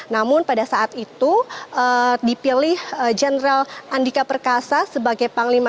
namun pada saat itu dipilih jenderal andika perkasa sebagai panglima tni